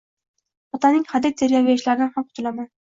Otamning hadeb tergayverishlaridan ham qutulaman.